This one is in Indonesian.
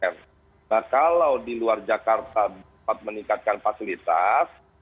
nah kalau di luar jakarta dapat meningkatkan fasilitas